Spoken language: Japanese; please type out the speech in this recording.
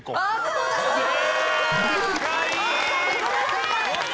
正解！